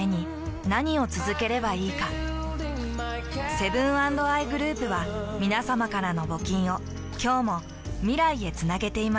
セブン＆アイグループはみなさまからの募金を今日も未来へつなげています。